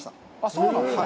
そうなんですね。